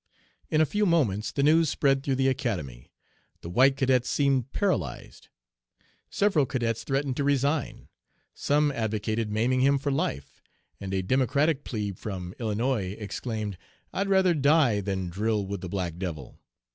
"In a few moments the news spread through the Academy. The white cadets seemed paralyzed. "Several cadets threatened to resign, some advocated maiming him for life, and a Democratic 'pleb' from Illinois exclaimed, 'I'd rather die than drill with the black devil.'